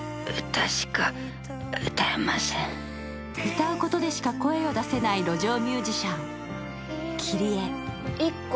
歌うことでしか声を出せない路上ミュージシャン・キリエ。